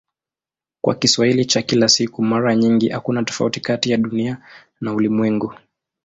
Kwa Kiswahili cha kila siku mara nyingi hakuna tofauti kati ya "Dunia" na "ulimwengu".